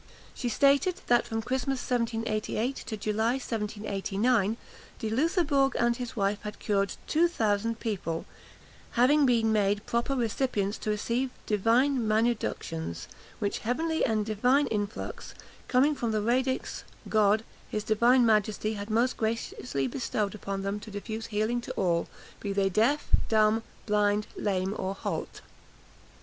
She stated, that from Christmas 1788 to July 1789, De Loutherbourg and his wife had cured two thousand people, "having been made proper recipients to receive divine manuductions; which heavenly and divine influx, coming from the radix God, his Divine Majesty had most graciously bestowed upon them to diffuse healing to all, be they deaf, dumb, blind, lame, or halt."